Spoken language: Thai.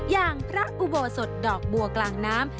อย่างพระอุโบสถดอกบัวกลางน้ำ